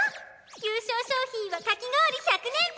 優勝賞品はかき氷１００年分！